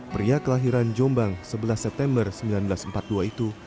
pria kelahiran jombang sebelas september seribu sembilan ratus empat puluh dua itu